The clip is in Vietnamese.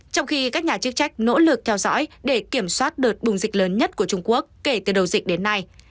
trong khi các nhà chức trách nỗ lực theo dõi để kiểm soát đợt bùng dịch lớn nhất của trung quốc kể từ đầu dịch đến nay